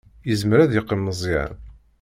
Izmer ad yeqqim Meẓyan.